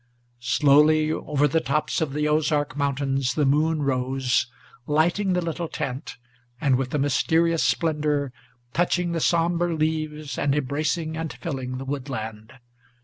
Slowly over the tops of the Ozark Mountains the moon rose, Lighting the little tent, and with a mysterious splendor Touching the sombre leaves, and embracing and filling the woodland.